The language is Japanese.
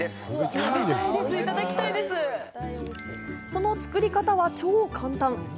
その作り方は超簡単。